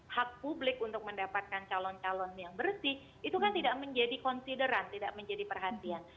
hak publik untuk mendapatkan calon calon yang bersih itu kan tidak menjadi konsideran tidak menjadi perhatian